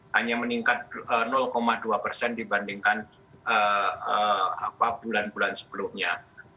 hanya meningkat dua persen dibandingkan bulan bulan sebelumnya